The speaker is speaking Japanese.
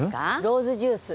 ローズジュース。